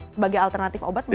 sebagai alternatif obat mungkin